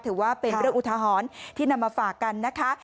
ถือว่าเป็นเรื่องอุทหรณ์ที่นำมาฝากกันนะคะ